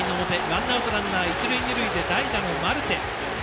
ワンアウトランナー一塁二塁で代打のマルテ。